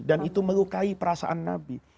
dan itu melukai perasaan nabi